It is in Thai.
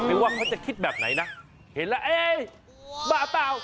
ว่าเขาจะคิดแบบไหนนะเห็นแล้วเอ๊ะบ้าเปล่า